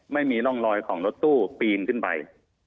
ไม่มีร่องรอยของรถตู้ปีนขึ้นไป